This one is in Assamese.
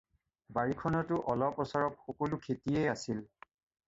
বাৰীখনতো অলপ অচৰপ সকলো খেতিয়েই আছিল।